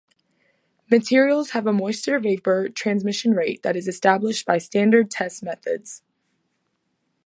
Materials have a moisture vapor transmission rate that is established by standard test methods.